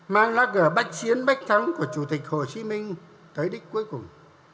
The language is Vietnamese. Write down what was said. mang lát gỡ bách chiến bách thắng của chủ tịch hồ chí minh tới đích cuối cùng